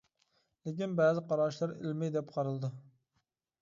لېكىن بەزى قاراشلىرى ئىلمىي دەپ قارىلىدۇ.